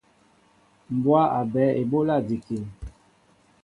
Mbwá a ɓɛέ eɓólá njikin.